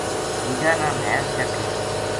دوجا نے مھیس چَکی ہے